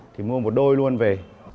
thì mua một đôi luôn về